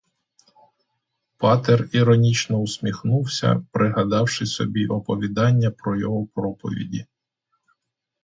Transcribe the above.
Патер іронічно усміхнувся, пригадавши собі оповідання про його проповіді.